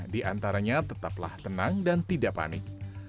di antaranya tetaplah tenang dan tidak panik